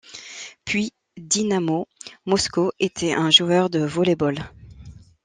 Puis Dinamo Moscou était un joueur de volley-ball.